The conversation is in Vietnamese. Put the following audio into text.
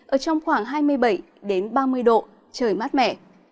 ở trong khoảng hai mươi bảy ba mươi độ trời mát mẻ